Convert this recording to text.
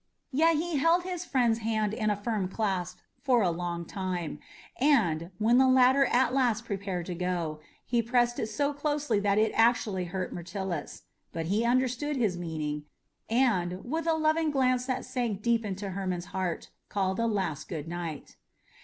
Yet he held his friend's hand in a firm clasp for a long time, and, when the latter at last prepared to go, he pressed it so closely that it actually hurt Myrtilus. But he understood his meaning, and, with a loving glance that sank deep into Hermon's heart, called a last good night.